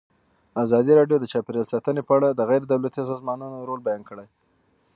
ازادي راډیو د چاپیریال ساتنه په اړه د غیر دولتي سازمانونو رول بیان کړی.